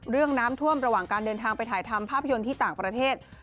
เรื่องน้ำท่วมระหว่างการเดินทางไปถ่ายทำภาพยนตร์ที่ต่างประเทศ